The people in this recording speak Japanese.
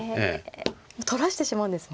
取らしてしまうんですね。